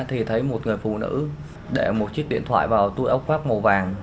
thì thấy một người phụ nữ để một chiếc điện thoại vào túi ốc vác màu vàng